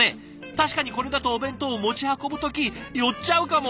確かにこれだとお弁当を持ち運ぶ時寄っちゃうかも。